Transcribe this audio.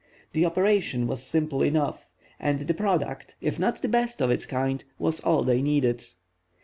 The operation was simple enough, and the product, if not the best of its kind, was all they needed.